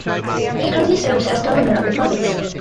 He currently serves as Governor of the province.